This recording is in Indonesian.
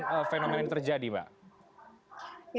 apa fenomena yang terjadi mbak